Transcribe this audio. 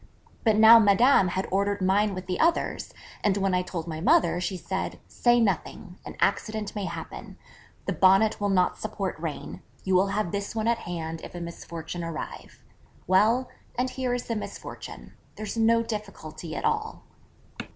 But now Madame had ordered mine with the others: and when I told my mother, she said, 'Say nothing: an accident may happen, the Bonnet will not support rain, you will have this one at hand if a misfortune arrive. Well, and here is the misfortune: there's no difficulty at all.'